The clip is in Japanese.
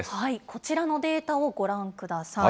こちらのデータをご覧ください。